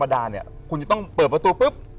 ดาเนี่ยคุณจะต้องเปิดประตูปุ๊บ